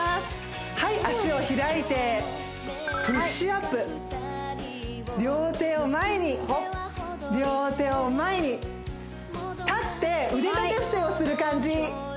はい足を開いてプッシュアップ両手を前に両手を前に立って腕立て伏せをする感じ